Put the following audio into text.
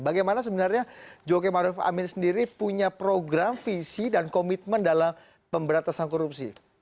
bagaimana sebenarnya jokowi maruf amin sendiri punya program visi dan komitmen dalam pemberantasan korupsi